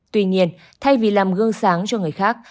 tuy nhiên thay vì làm gương sáng cho người khác